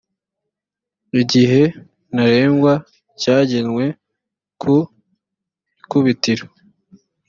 igihe ntarengwa cyagenwe ku ikubitiro